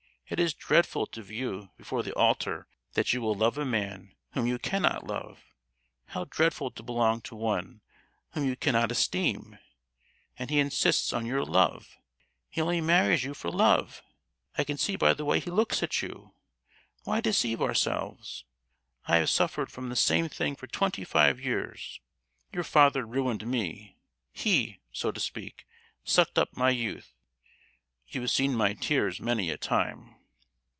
It is dreadful to vow before the altar that you will love a man whom you cannot love—how dreadful to belong to one whom you cannot esteem! And he insists on your love—he only marries you for love. I can see it by the way he looks at you! Why deceive ourselves? I have suffered from the same thing for twenty five years; your father ruined me—he, so to speak, sucked up my youth! You have seen my tears many a time!